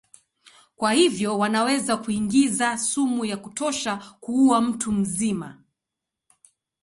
Kwa hivyo wanaweza kuingiza sumu ya kutosha kuua mtu mzima.